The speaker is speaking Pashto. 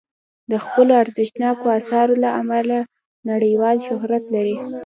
د خپلو ارزښتناکو اثارو له امله نړیوال شهرت لري.